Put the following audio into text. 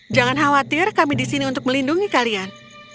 jangan khawatir kami di sini untuk melindungi kalian